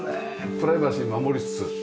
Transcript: プライバシー守りつつねえ。